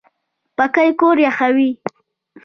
پکۍ کور یخوي